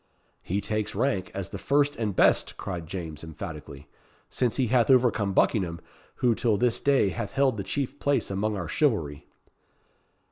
"He takes rank as the first and best," cried James, emphatically; "since he hath overcome Buckingham, who till this day hath held the chief place among our chivalry."